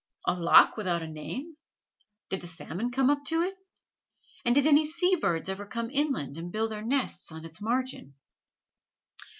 A loch without a name! Did the salmon come up to it? and did any sea birds ever come inland and build their nests on its margin?